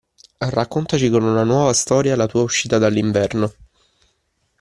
Raccontaci con una nuova storia la tua uscita dall'inverno.